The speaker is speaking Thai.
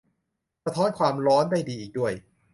สะท้อนความร้อนได้ดีอีกด้วย